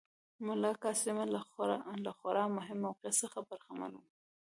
ملاکا سیمه له خورا مهم موقعیت څخه برخمنه وه.